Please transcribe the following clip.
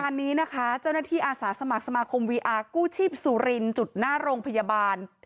อันนี้นะคะเจ้าหน้าที่อาสาสมัครสมาคมวีอาร์กู้ชีพสุรินจุดหน้าโรงพยาบาล